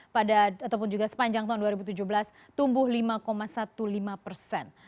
pada ataupun juga sepanjang tahun dua ribu tujuh belas tumbuh lima lima belas persen